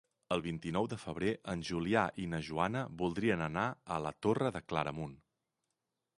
El vint-i-nou de febrer en Julià i na Joana voldrien anar a la Torre de Claramunt.